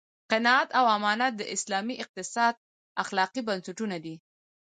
قناعت او امانت د اسلامي اقتصاد اخلاقي بنسټونه دي.